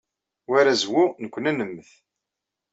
War azwu, nekkni ad nemmet.